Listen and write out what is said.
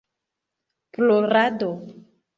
Plorado